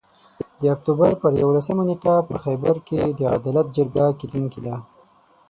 د اُکټوبر پر یوولسمه نیټه په خېبر کې د عدالت جرګه کیدونکي ده